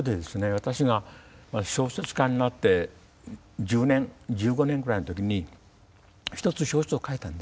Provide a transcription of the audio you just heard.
私が小説家になって１０年１５年ぐらいのときに一つ小説を書いたんです。